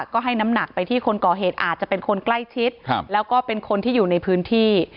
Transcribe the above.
ก็ให้น้ำหนักไปที่คนก่อเหตุอาจจะเป็นคนใกล้ชิดแล้วก็เป็นคนที่อยู่ในพื้นที่